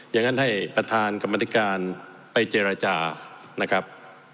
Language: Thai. อย่างนั้นให้ประธานกรรมธิการไปเจรจานะครับ